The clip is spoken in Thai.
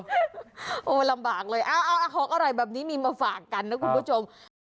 โอ้โหลำบากเลยเอาของอร่อยแบบนี้มีมาฝากกันนะคุณผู้ชม